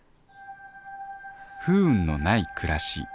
不運のない暮らし。